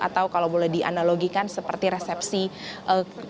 atau kalau boleh dianalogikan seperti resepsi